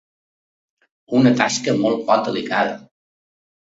Una tasca molt poc delicada.